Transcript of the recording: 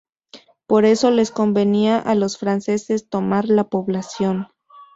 Por eso les convenía a los franceses tomar la población.